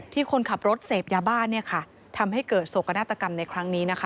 ที่คนขับรถเสพยาบ้าทำให้เกิดโศกนาตกรรมในครั้งนี้นะคะ